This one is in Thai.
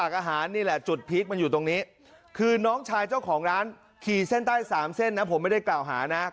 ข้างในตลาดถ้าน